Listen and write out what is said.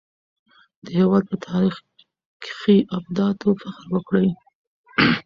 د هېواد په تاريخي ابداتو فخر وکړئ.